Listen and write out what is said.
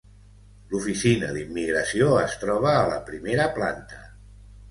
L'oficina d'immigració es troba a la primera planta.